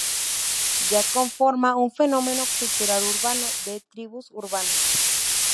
Ya conforma un fenómeno cultural urbano, de tribus urbanas.